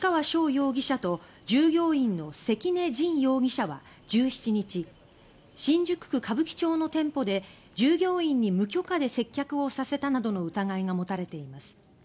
容疑者と従業員の関根心容疑者は１７日新宿区歌舞伎町の店舗で従業員に無許可で接客をさせたなどの疑いが持たれています。